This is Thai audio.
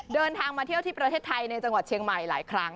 เดินทางมาเที่ยวที่ประเทศไทยในจังหวัดเชียงใหม่หลายครั้ง